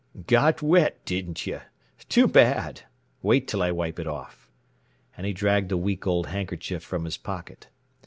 "Got wet, didn't you? Too bad! Wait till I wipe it off," and he dragged a week old handkerchief from his pocket.